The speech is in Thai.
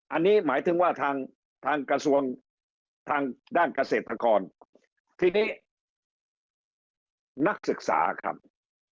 อันนี้หมายถึงว่าทางทางกระทรวงทางด้านเกษตรกรทีนี้นักศึกษาครับ